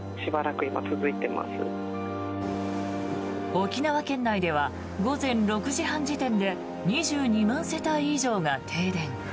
沖縄県内では午前６時半時点で２２万世帯以上が停電。